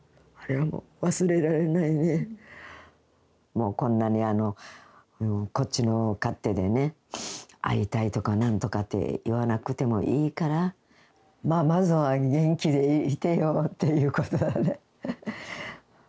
もうこんなにこっちの勝手でね会いたいとか何とかって言わなくてもいいからまあまずは元気でいてよということよね。